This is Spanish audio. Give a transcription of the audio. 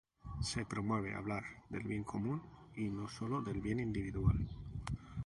Se promueve hablar del bien común y no sólo del bien individual.